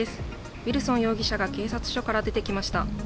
ウィルソン容疑者が警察署から出てきました。